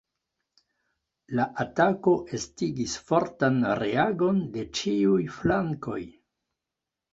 La atako estigis fortan reagon de ĉiuj flankoj.